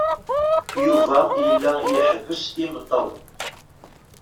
Yuba yella iḥebbes imeṭṭawen.